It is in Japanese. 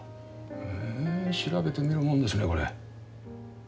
へえ調べてみるもんですねこれ。